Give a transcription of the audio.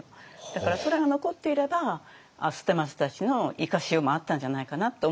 だからそれが残っていれば捨松たちの生かしようもあったんじゃないかなと思うんですけど。